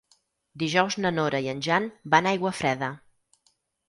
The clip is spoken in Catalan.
Dijous na Nora i en Jan van a Aiguafreda.